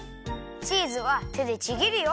チーズはてでちぎるよ。